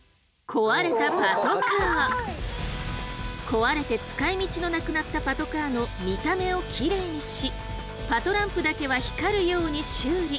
壊れて使いみちのなくなったパトカーの見た目をきれいにしパトランプだけは光るように修理。